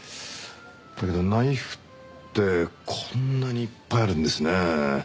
だけどナイフってこんなにいっぱいあるんですね。